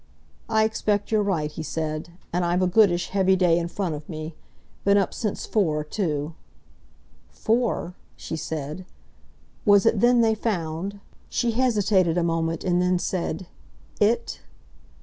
"I expect you're right," he said. "And I've a goodish heavy day in front of me. Been up since four, too—" "Four?" she said. "Was it then they found—" she hesitated a moment, and then said, "it?"